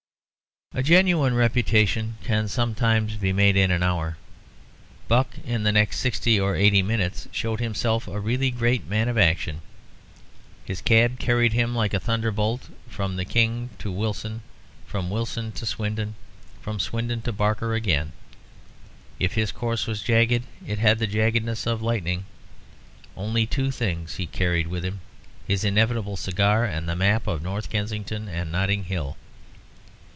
A genuine reputation can sometimes be made in an hour. Buck, in the next sixty or eighty minutes, showed himself a really great man of action. His cab carried him like a thunderbolt from the King to Wilson, from Wilson to Swindon, from Swindon to Barker again; if his course was jagged, it had the jaggedness of the lightning. Only two things he carried with him his inevitable cigar and the map of North Kensington and Notting Hill.